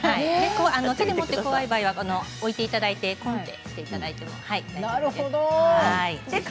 手で持って怖い場合はおいていただいてこん！としていただくと。